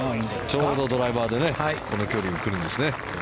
ちょうどドライバーでこの位置へ来るんですね。